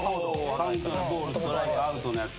カウントのボールストライクアウトのやつ。